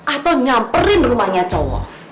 atau nyamperin rumahnya cowok